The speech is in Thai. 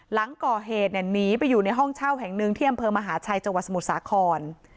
หลังก่อเหตุเนี่ยหนีไปอยู่ในห้องเช่าแห่งนึงเที่ยมเผอร์มหาชัยเจาะวัสมุทรสาขร